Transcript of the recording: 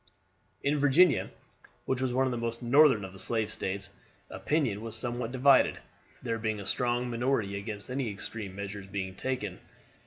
In Virginia, which was one of the most northern of the slave States, opinion was somewhat divided, there being a strong minority against any extreme measures being taken.